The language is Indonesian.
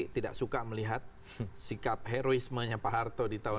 tidak suka melihat sikap heroismenya pak harto di tahun enam puluh lima